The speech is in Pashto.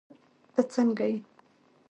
تہ سنګه یی